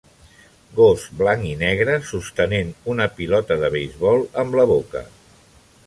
Gos blanc i negre sostenen una pilota de beisbol amb la boca.